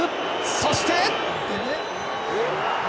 そして。